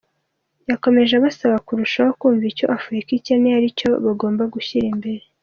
Yakomeje abasaba kurushaho kumva icyo Afurika ikeneye aricyo bagomba gushyira imbere.